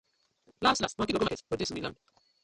Lass lass monkey go go market for dis we land.